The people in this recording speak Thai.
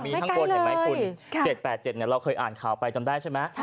มีข้างบนเห็นไหมคุณ๗๘๗เราเคยอ่านข่าวไปจำได้ใช่ไหม